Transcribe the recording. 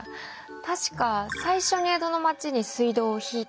確か最初に江戸のまちに水道を引いたんですよね？